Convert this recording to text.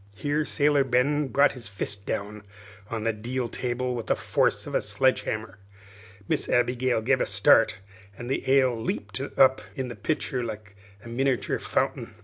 Here Sailor Ben brought his fist down on the deal table with the force of a sledge hammer. Miss Abigail gave a start, and the ale leaped up in the pitcher like a miniature fountain.